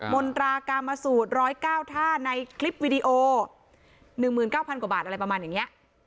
มนตรากามสูตรร้อยเก้าท่าในคลิปวิดีโอหนึ่งหมื่นเก้าพันกว่าบาทอะไรประมาณอย่างเงี้ย